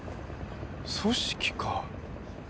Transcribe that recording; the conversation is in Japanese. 組織か。